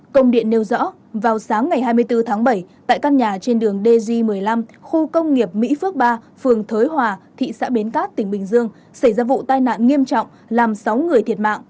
công điện nêu rõ vào sáng ngày hai mươi bốn tháng bảy tại căn nhà trên đường dg một mươi năm khu công nghiệp mỹ phước ba phường thới hòa thị xã bến cát tỉnh bình dương xảy ra vụ tai nạn nghiêm trọng làm sáu người thiệt mạng